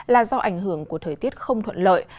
là do ảnh hưởng của thời tiết không thuận lợi